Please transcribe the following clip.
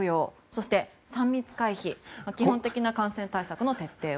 そして、３密回避など基本的な感染対策の徹底。